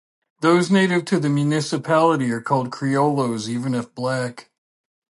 Those native to the municipality are called criollos even if black.